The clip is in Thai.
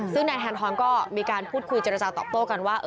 ซึ่งนายธนทรก็มีการพูดคุยเจรจาตอบโต้กันว่า